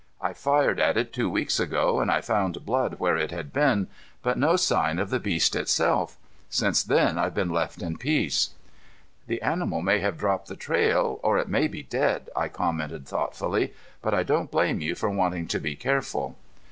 I fired at it two weeks ago and I found blood where it had been, but no sign of the beast itself. Since then I've been left in peace." "The animal may have dropped the trail, or it may be dead," I commented thoughtfully, "but I don't blame you for wanting to be careful."